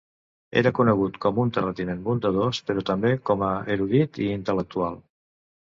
Era conegut com un terratinent bondadós però també com a erudit i intel·lectual.